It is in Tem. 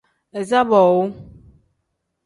Iza boowu.